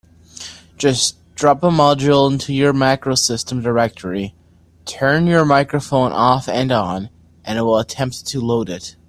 Just drop a module into your MacroSystem directory, turn your microphone off and on, and it will attempt to load it.